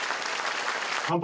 乾杯！